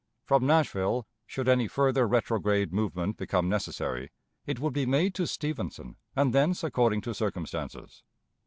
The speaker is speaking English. From Nashville, should any further retrograde movement become necessary, it would be made to Stevenson, and thence according to circumstances.